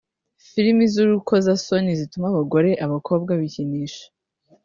Filimi z’urukozasoni zituma abagore/abakobwa bikinisha